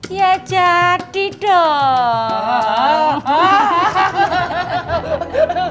ya jadi dong